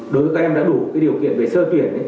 đối với các em đã đủ điều kiện về sơ tuyển